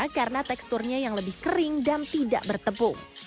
karena teksturnya yang lebih kering dan tidak bertepung